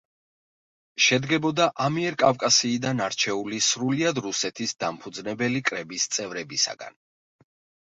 შედგებოდა ამიერკავკასიიდან არჩეული სრულიად რუსეთის დამფუძნებელი კრების წევრებისაგან.